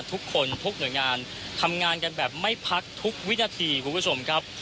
ทุกคนทุกหน่วยงานทำงานกันแบบไม่พักทุกวินาทีคุณผู้ชมครับ